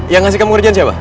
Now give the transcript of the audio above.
yang ngasih kamu kerjaan siapa